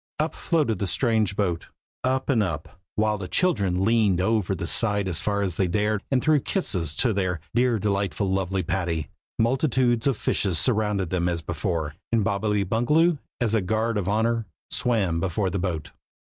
Up floated the strange boat, up and up, while the children leaned over the side as far as they dared, and threw kisses to their "dear delightful lovely Patty!" Multitudes of fishes surrounded them as before, and Bobbily Bungaloo, as a guard of honor, swam before the boat.